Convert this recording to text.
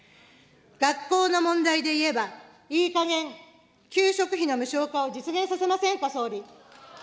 学校の問題でいえば、いいかげん、給食費の無償化を実現させませんか、総理。